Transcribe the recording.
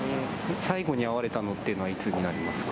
最後に会われたのっていうのは、いつになりますか？